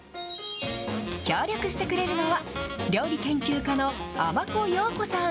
協力してくれるのは、料理研究家のあまこようこさん。